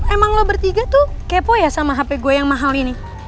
emang lo bertiga tuh kepo ya sama hp gue yang mahal ini